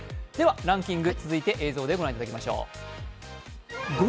ランキング、続いて映像で御覧いただきましょう。